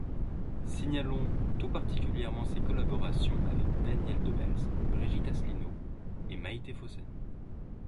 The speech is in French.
Signalons tout particulièrement ses collaborations avec Daniel Dobbels, Brigitte Asselineau et Maïté Fossen.